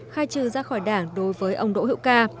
khai trừ ra khỏi đảng đối với ông đỗ hữu ca